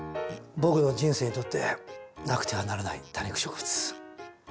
僕の人生にとってなくてはならない「多肉植物」。